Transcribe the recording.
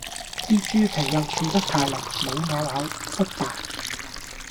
啲豬皮又煮得太淋，冇咬口，失敗